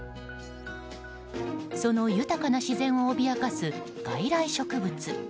その豊かな自然を脅かす外来植物。